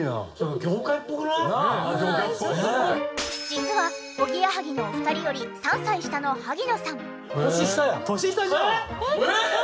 実はおぎやはぎのお二人より３歳下の萩野さん。